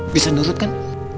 bisa nurut kan